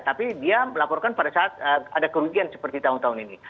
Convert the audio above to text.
tapi dia melaporkan pada saat ada kerugian seperti tahun tahun ini